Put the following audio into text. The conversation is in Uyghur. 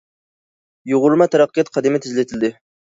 يۇغۇرما تەرەققىيات قەدىمى تېزلىتىلدى.